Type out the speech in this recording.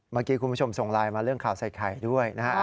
เมื่อกี้คุณผู้ชมส่งไลน์มาเรื่องข่าวใส่ไข่ด้วยนะฮะ